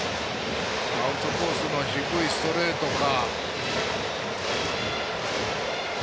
アウトコースの低いストレートか。